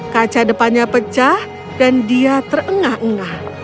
kaca depannya pecah dan dia terengah engah